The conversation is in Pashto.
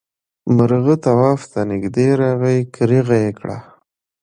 مرغه تواب ته نږدې راغی کريغه یې کړه.